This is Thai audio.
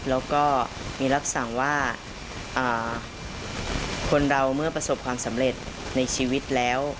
แล้วก็มีรับสั่งว่าคนเราเมื่อประสบความสำเร็จในชีวิตแล้ว